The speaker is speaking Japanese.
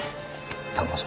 頼むぞ。